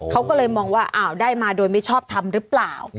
เขาก็เลยมองว่าอ้าวได้มาโดยไม่ชอบทำหรือเปล่า